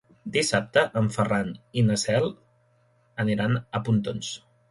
Dissabte en Ferran i na Cel aniran a Pontons.